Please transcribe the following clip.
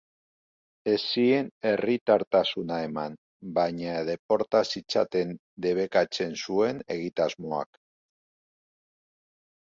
Ez zien herritartasuna eman, baina deporta zitzaten debekatzen zuen egitasmoak.